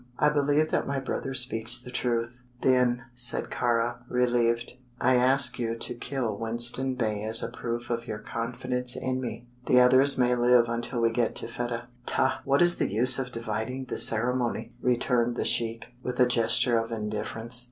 "I believe that my brother speaks truth." "Then," said Kāra, relieved, "I ask you to kill Winston Bey as a proof of your confidence in me. The others may live until we get to Fedah." "Tah! What is the use of dividing the ceremony?" returned the sheik, with a gesture of indifference.